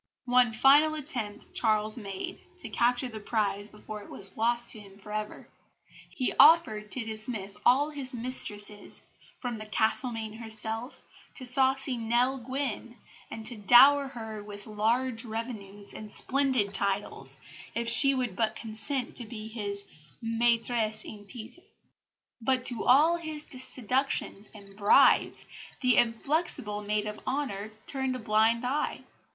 One final attempt Charles made to capture the prize before it was lost to him for ever. He offered to dismiss all his mistresses, from the Castlemaine herself to saucy Nell Gwynn, and to dower her with large revenues and splendid titles if she would but consent to be his maitresse en titre; but to all his seductions and bribes the inflexible maid of honour turned a blind eye.